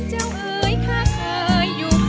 หุ้นเปรี้ยวครบ